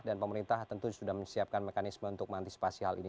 pemerintah tentu sudah menyiapkan mekanisme untuk mengantisipasi hal ini